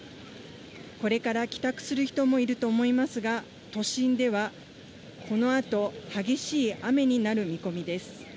これから帰宅する人もいると思いますが、都心ではこのあと、激しい雨になる見込みです。